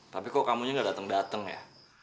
tapi kok kamu nya gak dateng dateng ya